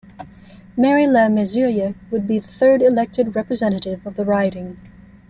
Mary LeMessurier would be the third elected representative of the riding.